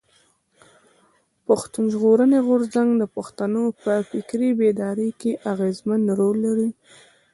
پښتون ژغورني غورځنګ د پښتنو په فکري بيداري کښي اغېزمن رول لري.